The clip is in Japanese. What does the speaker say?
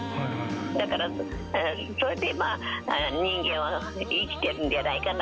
だから、それでまあ、人間は生きてるんじゃないかな。